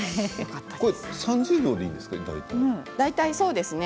３０秒でいいんですか？